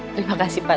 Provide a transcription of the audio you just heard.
terima kasih pak